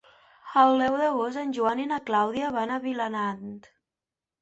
El deu d'agost en Joan i na Clàudia van a Vilanant.